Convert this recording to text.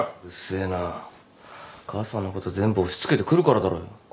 うっせえな母さんのこと全部押し付けてくるからだろうよ。